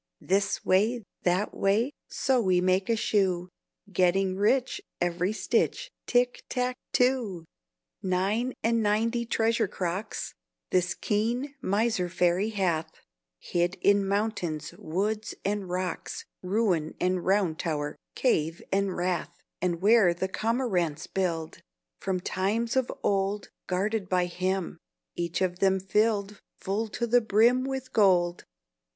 This way, that way, So we make a shoe; Getting rich every stitch, Tick tack too!" Nine and ninety treasure crocks This keen miser fairy hath, Hid in mountains, woods, and rocks, Ruin and round tow'r, cave and rath, And where the cormorants build; From times of old Guarded by him; Each of them fill'd Full to the brim With gold!